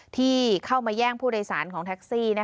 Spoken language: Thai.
ที่เข้ามาแย่งผู้โดยสารของแท็กซี่